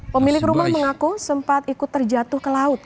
pemilik rumah mengaku sempat ikut terjatuh ke laut